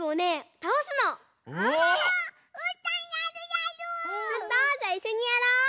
じゃあいっしょにやろう！